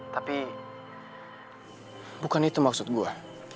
tapi bukan itu maksud gue